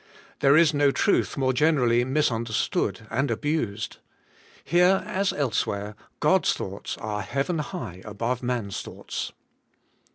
There is no truth more generally misunderstood and abused. Here, as elsewhere, God's thoughts are heaven high above man's thoughts.